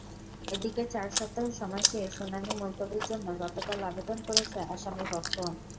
এদিকে চার সপ্তাহ সময় চেয়ে শুনানি মুলতবির জন্য গতকাল আবেদন করেছে আসামিপক্ষ।